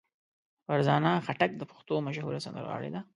فرزانه خټک د پښتو مشهوره سندرغاړې ده.